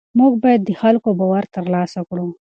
موږ باید د خلکو باور ترلاسه کړو.